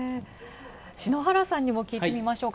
篠原さんにも聞いてみましょうか。